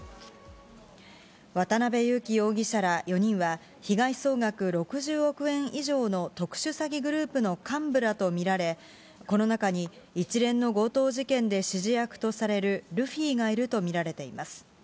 渡辺優樹容疑者ら４人は、被害総額６０億円以上の特殊詐欺グループの幹部らと見られ、この中に一連の強盗事件で指示役とされるルフィがいると見られています。